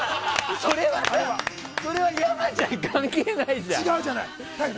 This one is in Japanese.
それは山ちゃん関係ないじゃん。